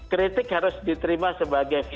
kritik harus diterima sebagai